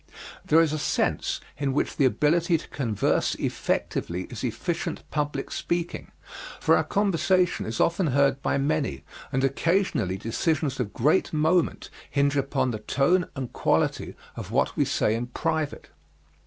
There is a sense in which the ability to converse effectively is efficient public speaking, for our conversation is often heard by many, and occasionally decisions of great moment hinge upon the tone and quality of what we say in private.